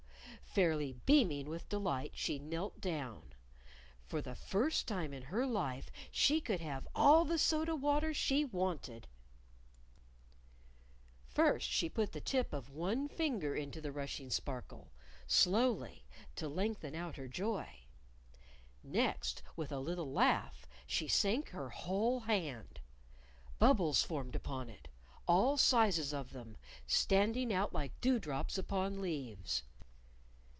"Oo!" Fairly beaming with delight, she knelt down. For the first time in her life she could have all the soda water she wanted! First, she put the tip of one finger into the rushing sparkle, slowly, to lengthen out her joy. Next, with a little laugh, she sank her whole hand. Bubbles formed upon it, all sizes of them standing out like dewdrops upon leaves.